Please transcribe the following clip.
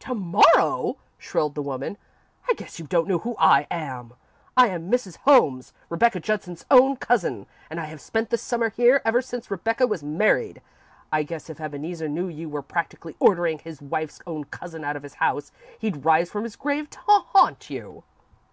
"To morrow!" shrilled the woman. "I guess you don't know who I am! I am Mrs. Holmes, Rebecca Judson's own cousin, and I have spent the Summer here ever since Rebecca was married! I guess if Ebeneezer knew you were practically ordering his wife's own cousin out of his house, he'd rise from his grave to haunt you!"